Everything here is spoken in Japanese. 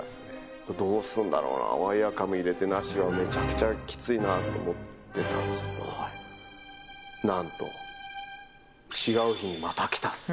これどうするんだろうなって、ワイヤーカムいれてなしはめちゃくちゃきついなって思ってたんですけど、なんと、違う日にまた来たんすね。